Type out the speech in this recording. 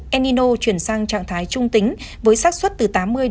enino chuyển sang trạng thái trung tính với sát xuất từ tám mươi tám mươi năm